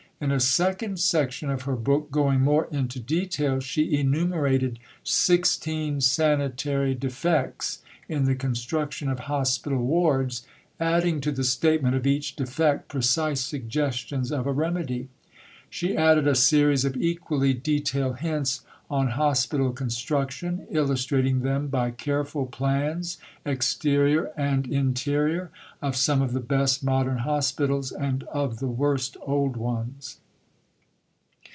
In a second section of her book, going more into detail, she enumerated "Sixteen Sanitary Defects in the Construction of Hospital Wards," adding to the statement of each defect precise suggestions of a remedy. She added a series of equally detailed hints on hospital construction, illustrating them by careful plans, exterior and interior, of some of the best modern hospitals and of the worst old ones.